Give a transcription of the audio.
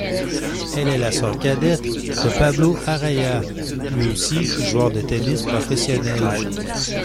Elle est la sœur cadette de Pablo Arraya, lui aussi joueur de tennis professionnel.